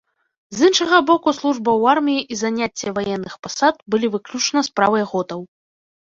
З іншага боку, служба ў арміі і заняцце ваенных пасад былі выключна справай готаў.